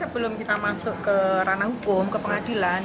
sebelum kita masuk ke ranah hukum ke pengadilan